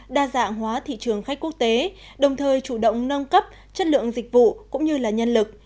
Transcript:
đa dạng hóa thị trường khách quốc tế đồng thời chủ động nâng cấp chất lượng dịch vụ cũng như là nhân lực